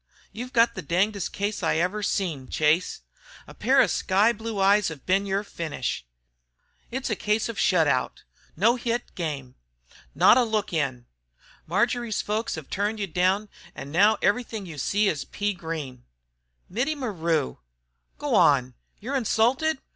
You've got the dingest case I ever seen, Chase. A pair of sky blue eyes hev been yer finish. It's a case of shut out! No hit game! Not a look in! Marjory's folks hev trun you down, an' now everything you see is pea green." "Mittie Maru " "Go wan! Yer insulted?